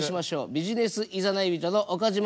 ビジネスいざない人の岡島悦子さん